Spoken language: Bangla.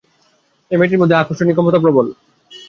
এই মেয়েটির মধ্যে আকর্ষণী-ক্ষমতা প্রবল।